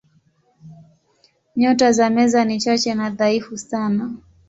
Nyota za Meza ni chache na dhaifu sana.